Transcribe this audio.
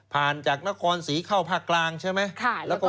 นั่นเหรอสิครับน่ารักมาก